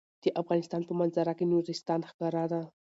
د افغانستان په منظره کې نورستان ښکاره ده.